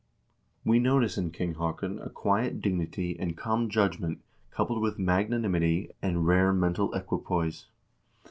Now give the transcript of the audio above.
We notice in King Haakon a quiet dignity and calm judgment coupled with magnanimity and rare mental equipoise.